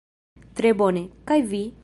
Tre bone, kaj vi?